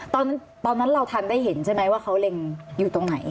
ตอนนั้นเราทันได้เห็นใช่ไหมว่าเขาเล็งอยู่ตรงไหน